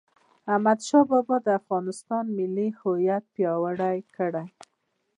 احمدشاه بابا د افغانستان ملي هویت پیاوړی کړ..